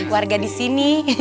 warga di sini